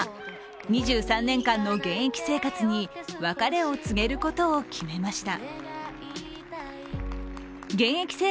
２３年間の現役生活に別れを告げることを決めました。